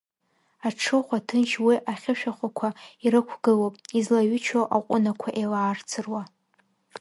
Аҽыхәа ҭынч уи ахьышәахәақәа ирықәгылоуп, излаҩычоу аҟәынақәа еилаарцыруа.